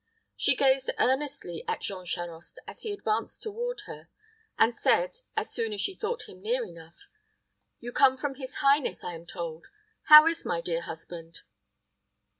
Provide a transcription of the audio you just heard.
She gazed earnestly at Jean Charost as he advanced toward her, and said, as soon as she thought him near enough, "You come from his highness, I am told. How is my dear husband?"